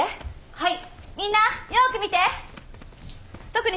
はい。